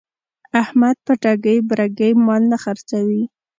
احمد په ټګۍ برگۍ مال نه خرڅوي.